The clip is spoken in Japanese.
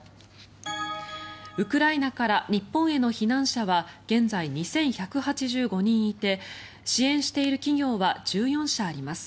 ウクライナから日本への避難者は現在２１８５人いて支援している企業は１４社あります。